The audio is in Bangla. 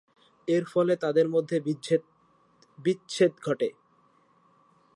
এর ফলে তাঁদের মধ্যে বিচ্ছেদ ঘটে।